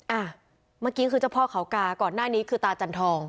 อ่ะเมื่อกี้คือเจ้าพ่อเขากาก่อนหน้านี้คือตาจันทอง